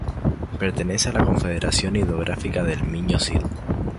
Pertenece a la Confederación Hidrográfica del Miño-Sil.